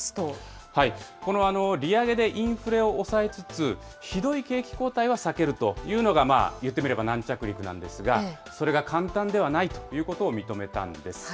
この利上げでインフレを抑えつつ、ひどい景気後退は避けるというのが、いってみれば軟着陸なんですが、それが簡単ではないということを認めたんです。